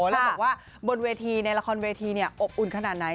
แล้วบอกว่าบนเวทีในละครเวทีอบอุ่นขนาดไหน